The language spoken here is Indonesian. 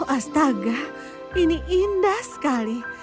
astaga ini indah sekali